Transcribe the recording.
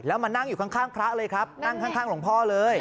แล้วมานั่งอยู่ข้างพระเลยครับนั่งข้างหลวงพ่อเลย